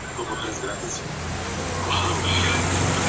Zeus, enojado, le envió malos sueños que no le dejaban dormir.